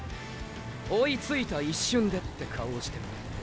“追いついた一瞬で”って顔をしてるね。